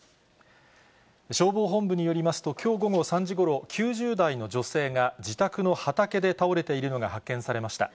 消防本部によりますと、きょう午後３時ごろ、９０代の女性が自宅の畑で倒れているのが発見されました。